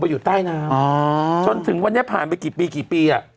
อยู่ใต้น้ำอ๋อจนถึงวันนี้ผ่านไปกี่ปีกี่ปีอ่ะ